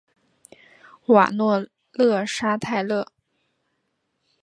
瓦诺勒沙泰勒。